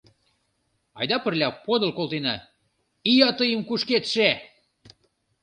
— Айда пырля подыл колтена, ия тыйым кушкедше!